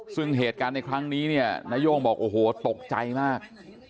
ซึ่งเหตุการณ์ในครั้งนี้เนี่ยนาย่งบอกโอ้โหตกใจมาก